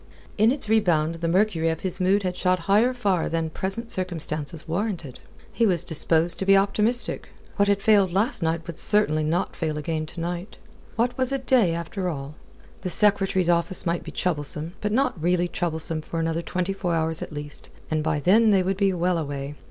In its rebound the mercury of his mood had shot higher far than present circumstances warranted. He was disposed to be optimistic. What had failed last night would certainly not fail again to night. What was a day, after all? The Secretary's office might be troublesome, but not really troublesome for another twenty four hours at least; and by then they would be well away.